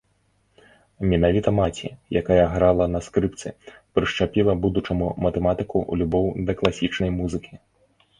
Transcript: Менавіта маці, якая грала на скрыпцы, прышчапіла будучаму матэматыку любоў да класічнай музыкі.